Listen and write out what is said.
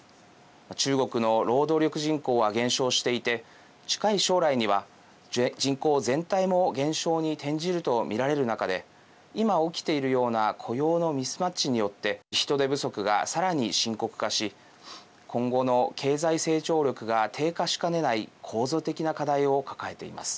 中国の労働力人口は減少していて近い将来には人口全体も減少に転じると見られる中で今、起きているような雇用のミスマッチによって人手不足が、さらに深刻化し今後の経済成長力が低下しかねない構造的な課題を抱えています。